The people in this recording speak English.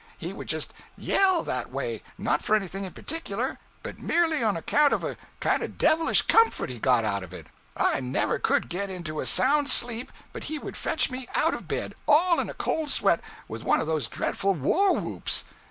He would just yell that way, not for anything in particular, but merely on account of a kind of devilish comfort he got out of it. I never could get into a sound sleep but he would fetch me out of bed, all in a cold sweat, with one of those dreadful war whoops.